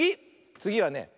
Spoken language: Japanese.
つぎはね